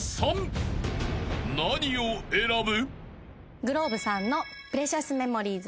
［何を選ぶ？］